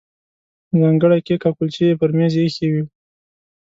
ځانګړي کیک او کولچې یې پر مېز ایښي وو.